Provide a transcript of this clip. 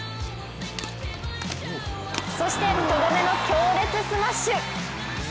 そして、とどめの強烈スマッシュ。